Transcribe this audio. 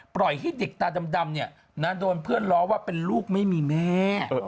ปล่อยให้เด็กตาดำโดนเพื่อนล้อว่าเป็นลูกไม่มีแม่